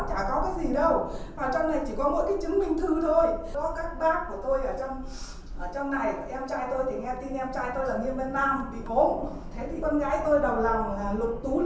thế thì con gái tôi đầu lòng lục tú liền